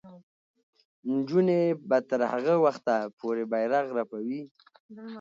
نجونې به تر هغه وخته پورې بیرغ رپوي.